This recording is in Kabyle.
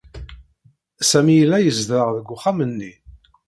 Sami yella yezdeɣ deg uxxam-nni.